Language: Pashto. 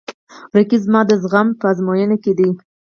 رقیب زما د زغم په ازموینه کې دی